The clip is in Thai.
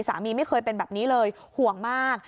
สามีไม่เคยเป็นแบบนี้เลยห่วงมาก